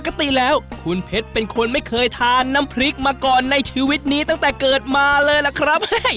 ปกติแล้วคุณเพชรเป็นคนไม่เคยทานน้ำพริกมาก่อนในชีวิตนี้ตั้งแต่เกิดมาเลยล่ะครับ